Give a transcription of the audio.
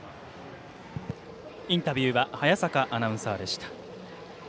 インタビューは早坂アナウンサーでした。